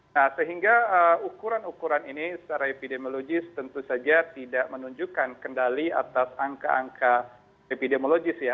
nah sehingga ukuran ukuran ini secara epidemiologis tentu saja tidak menunjukkan kendali atas angka angka epidemiologis ya